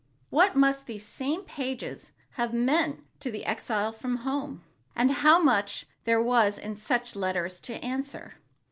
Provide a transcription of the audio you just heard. What must these same pages have meant to the exile from home! And how much there was in such letters to answer!